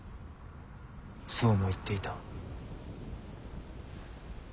そうも言っていた。